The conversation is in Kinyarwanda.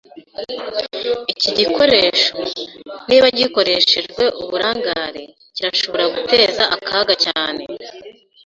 Iki gikoresho, niba gikoreshejwe uburangare, kirashobora guteza akaga cyane.